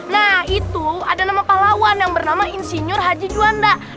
nah itu ada nama pahlawan yang bernama insinyur haji juanda